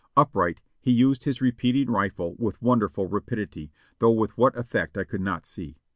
Upright, he used his repeating rifle with wonderful rapidity, though with what effect I could not see.